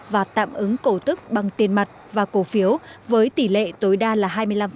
và tạm ứng cổ tức bằng tiền mặt và cổ phiếu với tỷ lệ tối đa là hai mươi năm